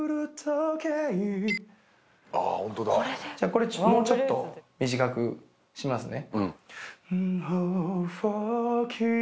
これもうちょっと短くしますね。